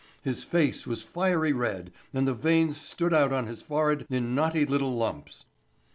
His face was fiery red and the veins stood out on his forehead in knotty little lumps.